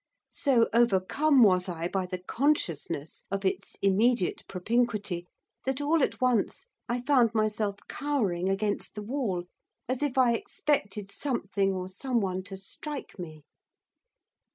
So overcome was I by the consciousness of its immediate propinquity, that, all at once, I found myself cowering against the wall, as if I expected something or someone to strike me.